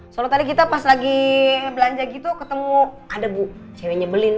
soalnya tadi kita pas lagi belanja gitu ketemu ada bu ceweknya belin